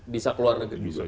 bisa keluar negeri juga